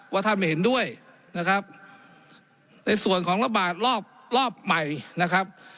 ท่านไม่เห็นด้วยนะครับในส่วนของระบาดรอบรอบใหม่นะครับ